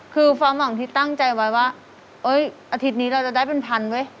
คือความหวังที่ตั้งใจไว้ว่าอาทิตย์นี้เราจะได้เป็นพันเว้ย